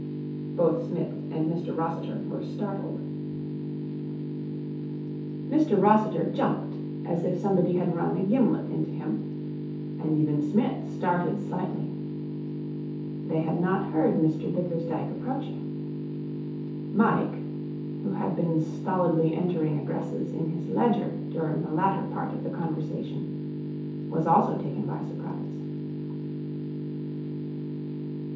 Both Psmith and Mr Rossiter were startled. Mr Rossiter jumped as if somebody had run a gimlet into him, and even Psmith started slightly. They had not heard Mr Bickersdyke approaching. Mike, who had been stolidly entering addresses in his ledger during the latter part of the conversation, was also taken by surprise.